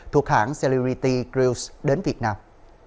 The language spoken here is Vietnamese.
thuộc hãng celebrity cruise đến việt nam